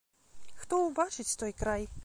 Хто ўбачыць той край?